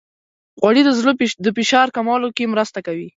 غوړې د زړه د فشار کمولو کې مرسته کوي.